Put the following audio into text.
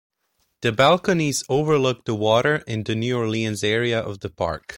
The balconies overlook the water in the New Orleans area of the park.